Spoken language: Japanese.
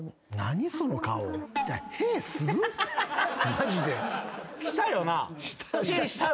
マジで。